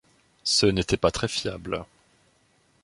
Ce n'était pas très fiable.